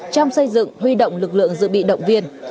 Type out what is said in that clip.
trong xây dựng huy động lực lượng dự bị động viên